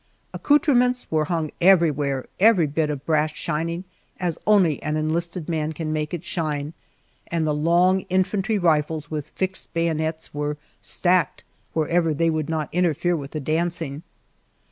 Accoutrements were hung everywhere, every bit of brass shining as only an enlisted man can make it shine, and the long infantry rifles with fixed bayonets were "stacked" whereever they would not interfere with the dancing.